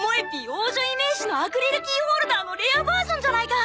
王女イメージのアクリルキーホルダーのレアバージョンじゃないか！